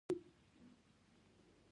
د ابدالي پوځیان په غنیمتونو بار وه.